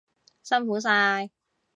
辛苦晒！